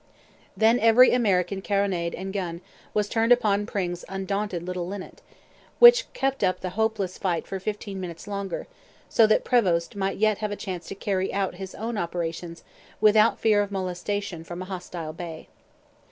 Then every American carronade and gun was turned upon Pring's undaunted little Linnet, which kept up the hopeless fight for fifteen minutes longer; so that Prevost might yet have a chance to carry out his own operations without fear of molestation from a hostile bay.